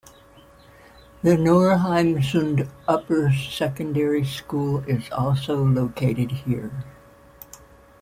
The Norheimsund Upper Secondary School is also located here.